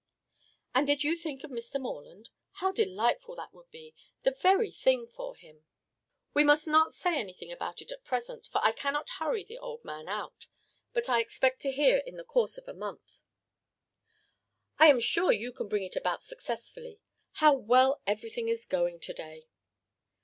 "And did you think of Mr. Morland? How delightful that would be. The very thing for him." "We must not say anything about it at present, for I cannot hurry the old man out; but I expect to hear in the course of a month." "I am sure you can bring it about successfully. How well everything is going to day!